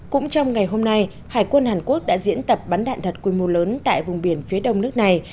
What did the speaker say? cũng trong ngày hôm nay hải quân hàn quốc đã diễn tập bắn đạn thật quy mô lớn tại vùng biển phía đông nước này